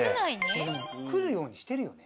これでも来るようにしてるよね。